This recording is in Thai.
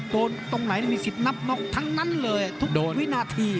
ตรงไหนมีสิบนลับทั้งนั้นเลยเพื่อน่าที